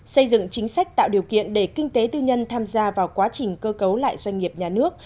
xây dựng chính sách tạo điều kiện để kinh tế tư nhân tham gia vào quá trình cơ cấu lại doanh nghiệp nhà nước